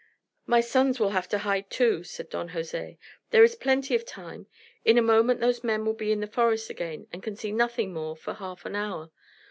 "My sons will have to hide too," said Don Jose. "There is plenty of time. In a moment those men will be in the forest again and can see nothing more for half an hour.